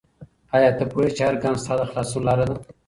آیا ته پوهېږې چې هر ګام ستا د خلاصون لاره ده؟